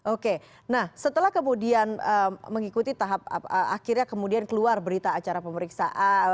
oke nah setelah kemudian mengikuti tahap akhirnya kemudian keluar berita acara pemeriksaan